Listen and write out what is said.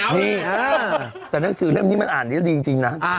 นี่แต่หนังสือเล่มนี้มันอ่านได้ดีจริงนะ